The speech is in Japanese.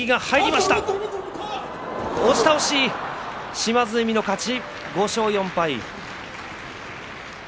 島津海の勝ち、５勝４敗。